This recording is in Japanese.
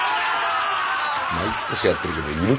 毎年やってるけど要るか？